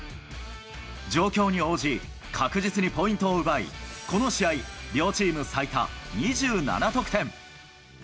状況に応じ、確実にポイントを奪い、この試合、両チーム最多２７得点。